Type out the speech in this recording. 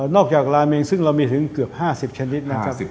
จากลาเมงซึ่งเรามีถึงเกือบ๕๐ชนิดนะครับ